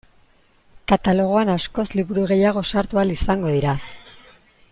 Katalogoan askoz liburu gehiago sartu ahal izango dira.